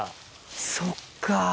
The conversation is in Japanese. そっか。